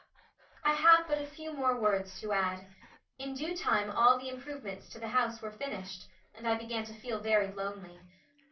I have but a few more words to add. In due time all the improvements to the house were finished and I began to feel very lonely.